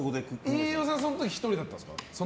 飯尾さんはその時１人だったんですか。